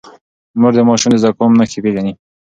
مور د ماشوم د زکام نښې پېژني.